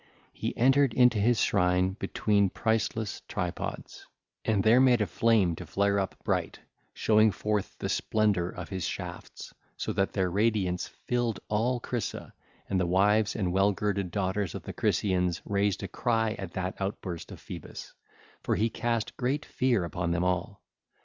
He entered into his shrine between priceless tripods, and there made a flame to flare up bright, showing forth the splendour of his shafts, so that their radiance filled all Crisa, and the wives and well girded daughters of the Crisaeans raised a cry at that outburst of Phoebus; for he cast great fear upon them all.